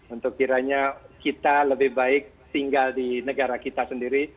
untuk kiranya kita lebih baik tinggal di negara kita sendiri